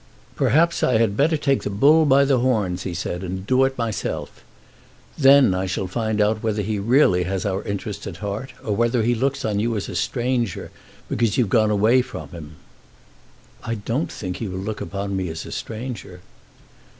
"Perhaps I had better take the bull by the horns," he said, "and do it myself. Then I shall find out whether he really has our interest at heart, or whether he looks on you as a stranger because you've gone away from him." "I don't think he will look upon me as a stranger."